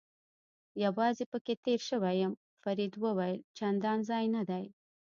یوازې پکې تېر شوی یم، فرید وویل: چندان ځای نه دی.